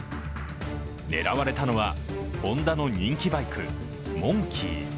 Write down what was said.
狙われたのは、ホンダの人気バイクモンキー。